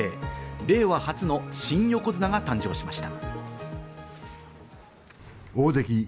令和初の新横綱が誕生しました。